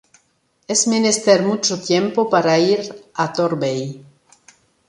Es menester mucho tiempo para ir à Torbay?